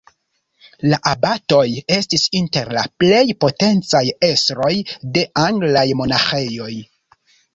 La abatoj estis inter la plej potencaj estroj de anglaj monaĥejoj.